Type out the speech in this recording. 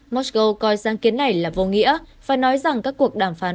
moscow coi giang kiến này là vô nghĩa và nói rằng các cuộc đàm phán